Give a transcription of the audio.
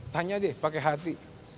tanya deh pakai hati